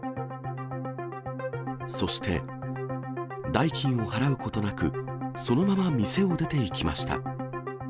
そして、代金を払うことなく、そのまま店を出ていきました。